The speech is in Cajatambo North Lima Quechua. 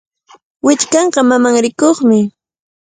Willkanqa mamanrikuqmi.